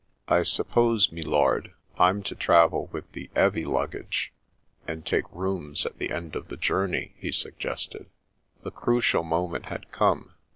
" I suppose, me lord, I'm to travel with the 'eavy luggage, and take rooms at the end of the journey," he suggested. The crucial moment had come.